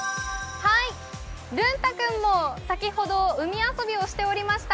ルンタ君も先ほど海遊びをしておりました。